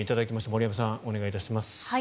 森山さん、お願いします。